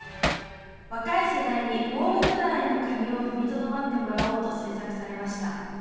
若い世代に暴力団への加入を踏みとどまってもらおうと、制作されました。